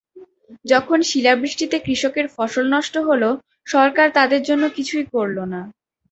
যখন শিলাবৃষ্টিতে কৃষকের ফসল নষ্ট হলো, সরকার তাদের জন্য কিছুই করল না।